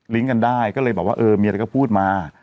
กันได้ก็เลยบอกว่าเออมีอะไรก็พูดมา